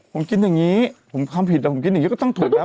ผมกินอย่างนี้ผมความผิดผมกินอย่างนี้ก็ต้องถูกแล้ว